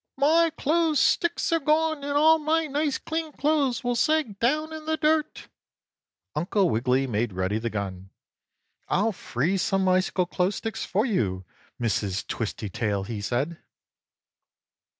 "My clothes sticks are gone and all my nice clean clothes will sag down in the dirt!" Uncle Wiggily made ready the gun. "I'll freeze some icicle clothes sticks for you, Mrs. Twistytail," he said.